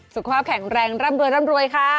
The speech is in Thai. สุขความแข็งแรงร่ำรวยค่ะ